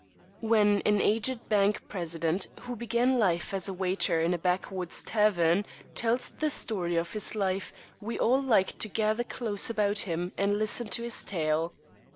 When an aged bank president, who began life as a waiter in a backwoods tavern, tells the story of his life, we all like to gather close about him and listen to his tale.